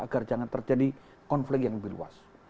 agar jangan terjadi konflik yang lebih luas